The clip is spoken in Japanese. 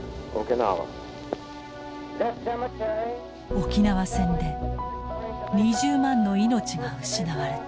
沖縄戦で２０万の命が失われた。